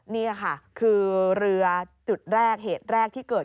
นี่ค่ะคือเรือจุดแรกเหตุแรกที่เกิด